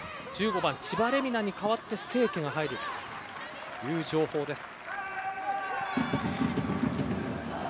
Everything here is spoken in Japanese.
１５番、千葉玲海菜に代わって清家が入るという情報です。